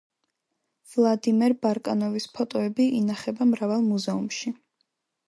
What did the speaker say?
ვლადიმერ ბარკანოვის ფოტოები ინახება მრავალ მუზეუმში.